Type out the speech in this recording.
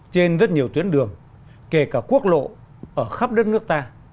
trên rất nhiều tuyến đường kể cả quốc lộ ở khắp đất nước ta